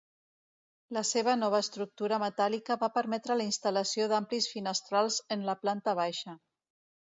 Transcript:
La seva nova estructura metàl·lica va permetre la instal·lació d'amplis finestrals en la planta baixa.